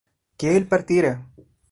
que él no partiera